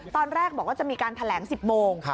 ตอนแรกบอกว่าจะมีการแถลง๑๐โมง